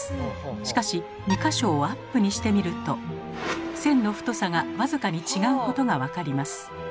しかし２か所をアップにしてみると線の太さが僅かに違うことが分かります。